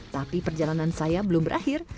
tapi perjalanan saya belum berakhir